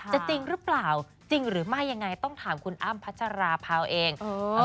จริงหรือเปล่าจริงหรือไม่ยังไงต้องถามคุณอ้ำพัชราภาวเอง